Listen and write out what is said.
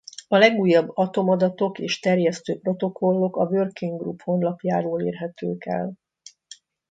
A legújabb Atom adatok és terjesztő protokollok a Working Group honlapjáról érhetőek el.